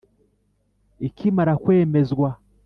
Ikimara kwemezwa,